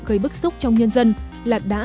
gây bức xúc trong nhân dân là đã